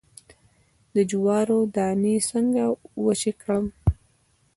د جوارو دانی څنګه وچې کړم؟